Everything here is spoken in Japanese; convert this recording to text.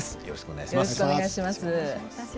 よろしくお願いします。